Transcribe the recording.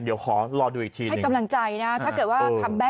เดี๋ยวขอรอดูอีกทีหนึ่งให้กำลังใจนะถ้าเกิดว่า